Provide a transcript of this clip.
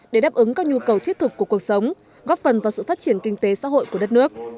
để đáp ứng các nhu cầu thiết thực của cuộc sống góp phần vào sự phát triển kinh tế xã hội của đất nước